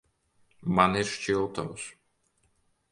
Man ir šķiltavas.